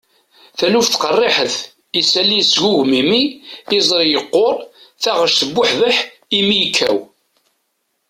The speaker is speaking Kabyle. taluft qerriḥet, isalli yesgugum imi, iẓri yeqquṛ, taɣect tebbuḥbeḥ, imi yekkaw